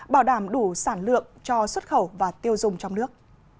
bảo đảm đủ sản lượng cho xuất khẩu và tiêu dùng trong nước